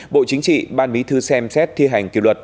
bộ chính trị ban bí thư xem xét thi hành kỷ luật